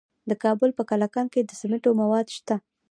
د کابل په کلکان کې د سمنټو مواد شته.